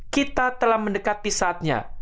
kita telah mendekati saatnya